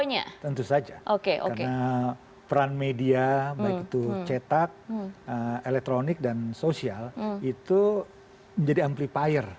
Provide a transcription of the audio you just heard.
yaitu cetak elektronik dan sosial itu menjadi amplifier